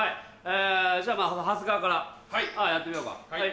じゃあ長谷川からやってみようか。